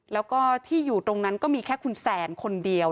แล้วก็ที่อยู่ตรงนั้นก็มีแค่คุณแสนคนเดียว